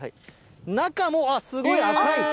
中も、ああ、すごい、赤い。